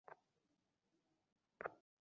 আপনি মোটেও ওই ব্যক্তি নন।